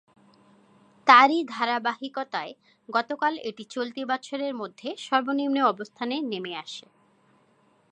তারই ধারাবাহিকতায় গতকাল এটি চলতি বছরের মধ্যে সর্বনিম্ন অবস্থানে নেমে আসে।